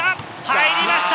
入りました！